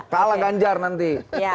kalah ganjar nanti